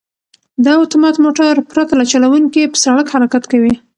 دا اتومات موټر پرته له چلوونکي په سړک حرکت کوي.